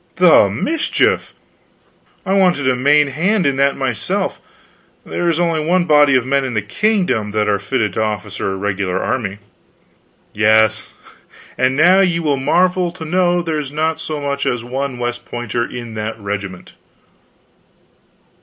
"The mischief! I wanted a main hand in that myself. There is only one body of men in the kingdom that are fitted to officer a regular army." "Yes and now ye will marvel to know there's not so much as one West Pointer in that regiment."